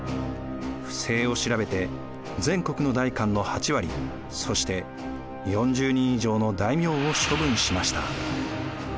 不正を調べて全国の代官の８割そして４０人以上の大名を処分しました。